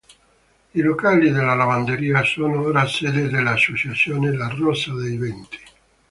I locali della lavanderia sono ora sede dell'associazione La Rosa dei Venti.